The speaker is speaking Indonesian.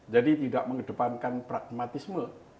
jadi tidak mengedepankan pragmatisme